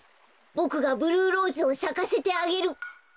ボクがブルーローズをさかせてあげる！